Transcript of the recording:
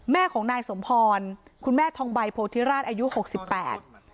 แม่ของนายสมพรคุณแม่ทองใบโพธิราชอายุหกสิบแปด